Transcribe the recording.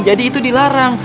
jadi itu dilarang